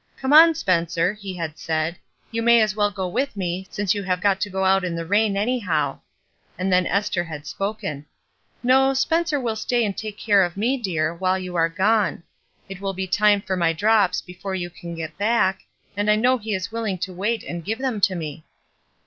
"Come on, Spencer," he had said. "You may as well go with me, since you have got to go out in the rain anyhow." And then Ester had spoken: —" No, Spencer will stay and take care of me, dear, while you are gone. It will be time for my drops before you can get back, and I know he is willing to wait and give them to me."